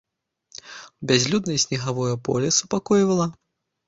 Бязлюднае снегавое поле супакойвала.